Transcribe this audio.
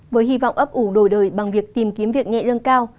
với hy vọng ấp ủ đồ đời bằng việc tìm kiếm việc nhẹ lưng cao